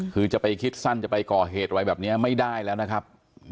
คือจะไปคิดสั้นจะไปก่อเหตุอะไรแบบนี้ไม่ได้แล้วนะครับ